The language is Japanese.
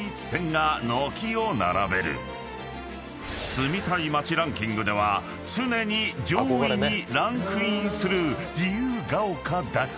［住みたい街ランキングでは常に上位にランクインする自由が丘だが］